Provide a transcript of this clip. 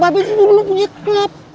babe juga dulu punya klub